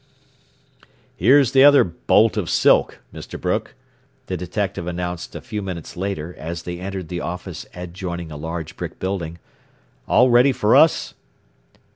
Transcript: "Here's the other 'bolt of silk,' Mr. Brooke," the detective announced a few minutes later as they entered the office adjoining a large brick building. "All ready for us?"